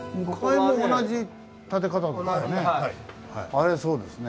あれそうですね。